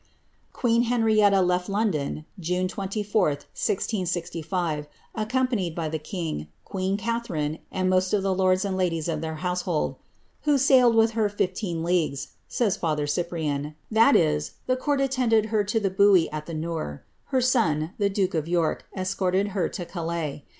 '' Queen Henrietta left Ix)ndon, June 24th, 1665, accompanied by the king, queen Catherine, and most of the lords and ladies of their house hold, ^^ who sailed with her fifteen leagues,^' says father C>'prian ; that is, the court attended her to the buoy at the Nore : her son, the duke of York, escorted her to Calais.